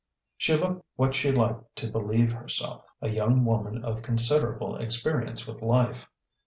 She looked what she liked to believe herself, a young woman of considerable experience with life.